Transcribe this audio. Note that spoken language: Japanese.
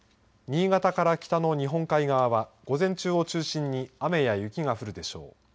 新潟から北の日本海側は午前中を中心に雨や雪が降るでしょう。